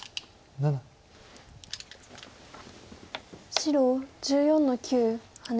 白１４の九ハネ。